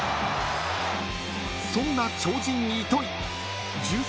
［そんな超人糸井］